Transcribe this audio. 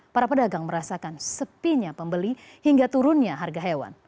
para pedagang merasakan sepinya pembeli hingga turunnya harga hewan